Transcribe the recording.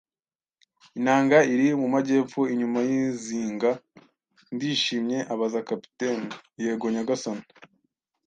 inanga iri mu majyepfo, inyuma y'izinga, ndishimye? ” abaza kapiteni. “Yego, nyagasani;